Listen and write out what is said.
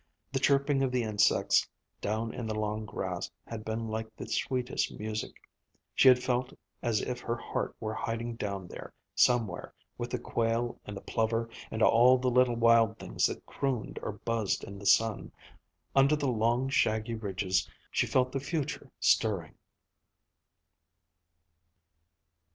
The chirping of the insects down in the long grass had been like the sweetest music. She had felt as if her heart were hiding down there, somewhere, with the quail and the plover and all the little wild things that crooned or buzzed in the sun. Under the long shaggy ridges, she felt the future stirring.